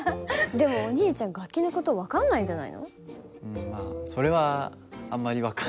でもお兄ちゃん楽器の事とか分かんないんだって。